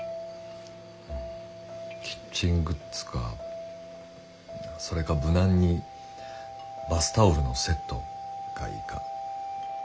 キッチングッズかそれか無難にバスタオルのセットがいいか。